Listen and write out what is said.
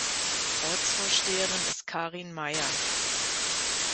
Ortsvorsteherin ist Karin Meyer.